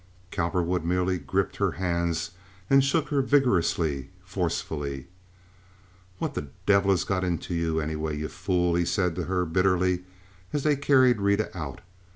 Cowperwood merely gripped her hands and shook her vigorously, forcefully. "What the devil has got into you, anyway, you fool?" he said to her, bitterly, as they carried Rita out.